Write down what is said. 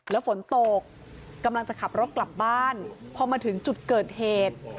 แล้วฝนตกกำลังจะขับรถกลับบ้านพอมาถึงจุดเกิดเหตุ